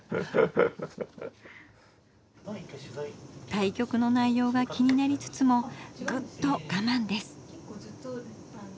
対局の内容が気になりつつもぐっとがまんです。